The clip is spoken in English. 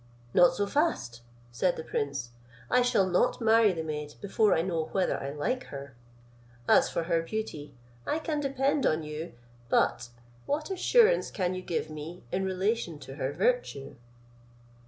"Not so fast," said the prince, "I shall not marry the maid before I know whether I like her. As for her beauty, I can depend on you; but what assurance can you give me in relation to her virtue?"